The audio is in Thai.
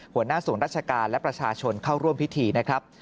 หัวหน้าศูนย์ราชการและประชาชนเข้าร่วมพิธีนะครับ